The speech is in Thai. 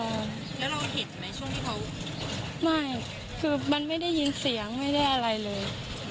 แล้วเราเห็นไหมช่วงที่เขาไม่คือมันไม่ได้ยินเสียงไม่ได้อะไรเลย